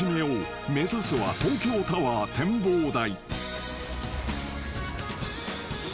［目指すは東京タワー展望台］